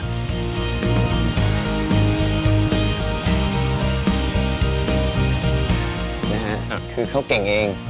คือเขาเก่งเอง